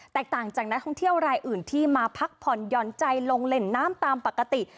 ต่างจากนักท่องเที่ยวรายอื่นที่มาพักผ่อนหย่อนใจลงเล่นน้ำตามปกติ